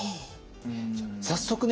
早速ね